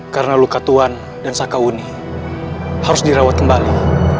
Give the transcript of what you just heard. karena luka tuhan dan sakauni harus dirawat kembali